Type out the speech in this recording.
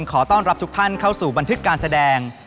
ขอต้อนรับทุกท่านเข้าสู่บันทึกการแสดง